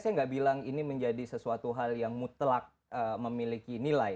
saya nggak bilang ini menjadi sesuatu hal yang mutlak memiliki nilai